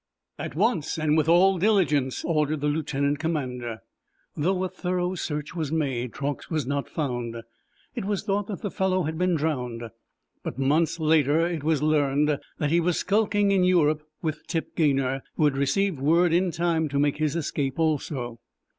"At once, and with all diligence," ordered the lieutenant commander. Though a thorough search was made, Truax was not found. It was thought that the fellow had been drowned. But months later it was learned that he was skulking in Europe with Tip Gaynor, who had received word in time to make his escape also.